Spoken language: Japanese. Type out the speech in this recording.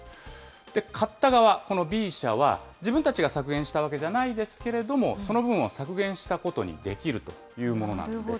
この買った側、このＢ社は、自分たちが削減したわけじゃないですけれども、その分を削減したことにできるというものなんです。